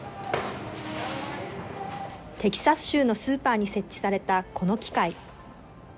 テキサス州のスーパーに設置されたこの機械。